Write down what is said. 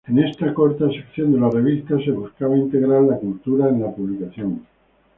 Esta corta sección de la revista se buscaba integrar la cultura en la publicación.